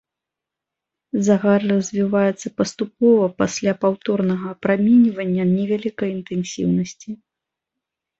Загар развіваецца паступова пасля паўторнага апраменьвання невялікай інтэнсіўнасці.